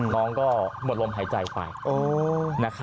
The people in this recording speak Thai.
น้องก็หมดลมหายใจไป